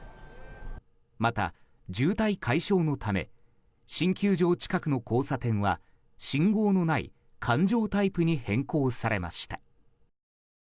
また、渋滞解消のため新球場近くの交差点は信号のない環状タイプに変更されました。